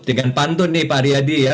dengan pantun nih pak haryadi ya